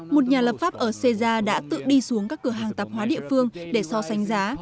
một nhà lập pháp ở sê gia đã tự đi xuống các cửa hàng tạp hóa địa phương để so sánh giá